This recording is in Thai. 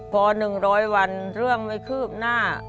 พอ๑๐๐วันเรื่องไม่คืบหน้า